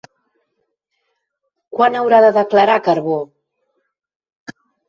Quan haurà de declarar Carbó?